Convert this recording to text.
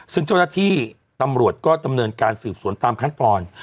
ซึ่งเจ้าหน้าที่ตำรวจก็ดำเนินการสืบสวนตามขั้นตอน